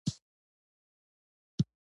د تیارې حکومت چې برقراره شو.